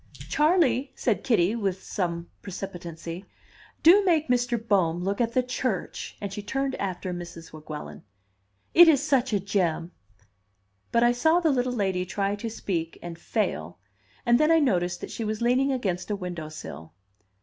"Charley," said Kitty, with some precipitancy, "do make Mr. Bohm look at the church!" and she turned after Mrs. Weguelin. "It is such a gem!" But I saw the little lady try to speak and fail, and then I noticed that she was leaning against a window sill.